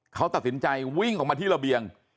เขาตัดสินใจวิ่งออกมาที่ระเบียง